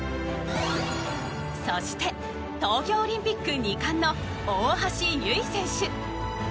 そして東京オリンピック２冠の大橋悠依選手。